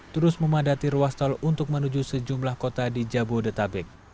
terus memadati ruas tol untuk menuju sejumlah kota di jabodetabek